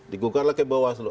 digugat lagi ke bawaslu